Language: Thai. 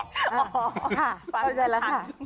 อ๋อค่ะขอบคุณค่ะ